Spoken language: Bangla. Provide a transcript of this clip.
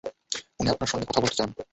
উনি আপনার সঙ্গে কথা বলতে চান।